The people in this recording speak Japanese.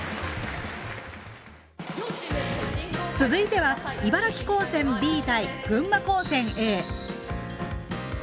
続いては茨城高専Ｂ対群馬高専Ａ。